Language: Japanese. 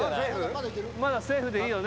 まだセーフでいいよね。